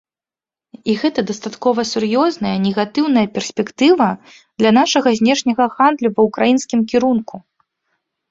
І гэта дастаткова сур'ёзная негатыўная перспектыва для нашага знешняга гандлю ва ўкраінскім кірунку.